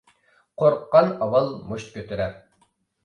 قورققان ئاۋۋال مۇشت كۆتۈرەر.